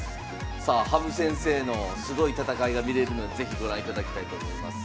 さあ羽生先生のすごい戦いが見れるので是非ご覧いただきたいと思います。